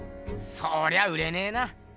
そりゃ売れねえな。